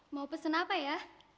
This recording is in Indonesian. mau pesen apa ya